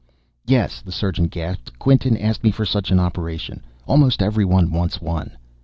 "Yes," the surgeon gasped. "Quinton asked me for such an operation. Almost everyone wants one."